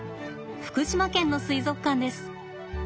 福島県の水族館です。